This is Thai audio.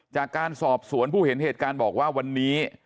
จากการสอบสวนผู้เห็นเหตุการณ์บอกว่าวันนี้